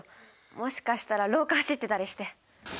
もしかしたら廊下走ってたりして。